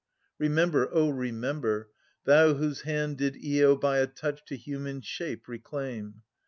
— Remember, O remember, thou whose hand Did lo by a touch to human shape reclaim.